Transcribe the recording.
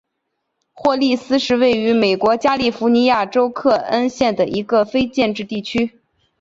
霍利斯是位于美国加利福尼亚州克恩县的一个非建制地区。